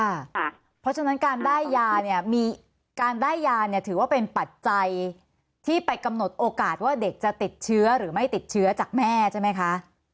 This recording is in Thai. เพราะฉะนั้นการได้ยาเนี่ยมีการได้ยาเนี่ยถือว่าเป็นปัจจัยที่ไปกำหนดโอกาสว่าเด็กจะติดเชื้อหรือไม่ติดเชื้อจากแม่ใช่ไหมคะ